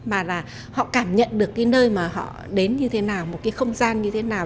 mà là họ cảm nhận được cái nơi mà họ đến như thế nào một cái không gian như thế nào